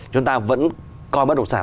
chúng ta vẫn coi bất động sản